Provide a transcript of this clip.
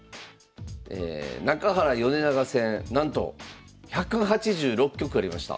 中原米長戦なんと１８６局ありました。